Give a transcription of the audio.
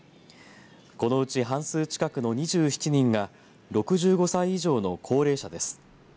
このうち半数近くの２７人が６５歳以上の高齢者です。